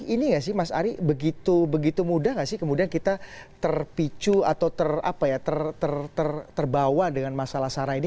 ini nggak sih mas ari begitu mudah nggak sih kemudian kita terpicu atau terbawa dengan masalah sarah ini